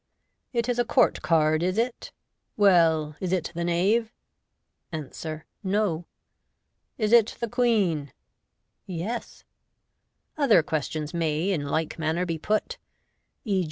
" It is a court card is it ? Well, is it the knave ?" Answer, " No.'* " Is it the queen ?" "Yes." Other questions may in like manner be put, e.